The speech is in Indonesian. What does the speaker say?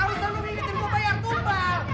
harus tolong ini tensi gue bayar kumpar